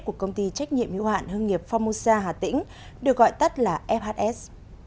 của công ty trách nhiệm yếu hạn hương nghiệp formosa hà tĩnh được gọi tắt là fhs